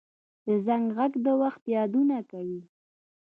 د زنګ غږ د وخت یادونه کوي